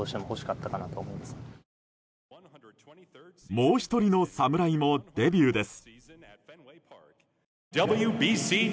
もう１人の侍もデビューです。